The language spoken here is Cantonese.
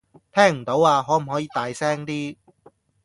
聽唔到呀，可唔可以大聲啲